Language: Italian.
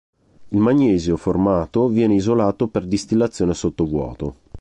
Il magnesio formato viene isolato per distillazione sotto vuoto.